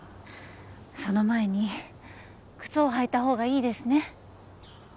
その前に靴を履いたほうがいいですね。